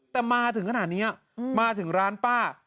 แต่มาถึงขนาดนี้มาถึงร้านป้า